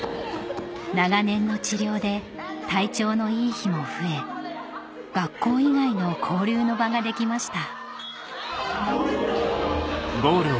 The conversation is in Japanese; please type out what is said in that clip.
長年の治療で体調のいい日も増え学校以外の交流の場ができました